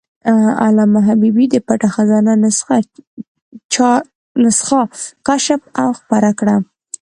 علامه حبیبي د "پټه خزانه" نسخه کشف او خپره کړه.